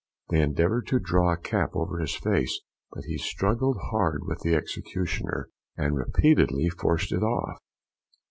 They endeavoured to draw a cap over his face, but he struggled hard with the executioner, and repeatedly forced it off.